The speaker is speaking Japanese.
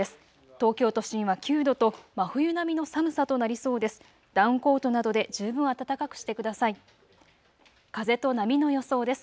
東京都心は９度と真冬並みの寒さとなりそうです。